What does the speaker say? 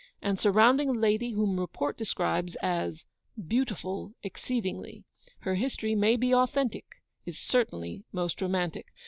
and surrounding a lady whom report describes as "BEAUTIFUL EXCEEDINGLY." Her history MAY be authentic, is certainly most romantic.